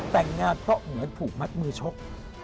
แต่งงานเพราะเหมือนถูกมัดมือชก